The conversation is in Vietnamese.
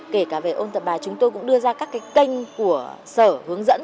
kể cả về ôn tập bài chúng tôi cũng đưa ra các cái kênh của sở hướng dẫn